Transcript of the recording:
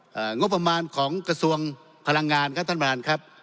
งบประมาณของกระทรวงพลังงานครับท่านประธานครับ